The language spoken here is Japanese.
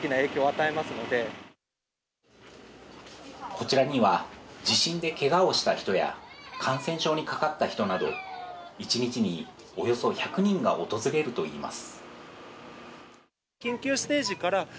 こちらには地震でけがをした人や、感染症にかかった人など、一日におよそ１００人が訪れるといいます。